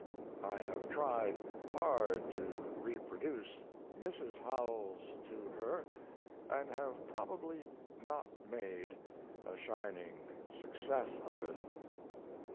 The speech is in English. I have tried hard to reproduce Mrs. Howells to her, and have probably not made a shining success of it.